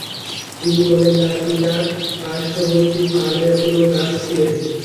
তিনি বলেন তার পিতা পার্শবর্তি ফার্মের কোন দাস ছিলেন।